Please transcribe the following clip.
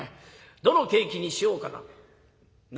どのケーキにしようかな悩んでた。